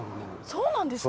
そうなんですか？